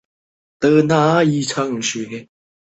在场上的位置是左后卫。